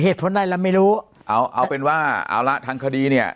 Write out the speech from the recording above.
เหตุผลอะไรเราไม่รู้เอาเอาเป็นว่าเอาละทางคดีเนี่ย